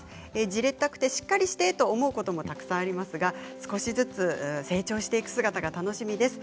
じれったくてしっかりして！と思うこともたくさんありますが少しずつ成長していく姿が楽しみです。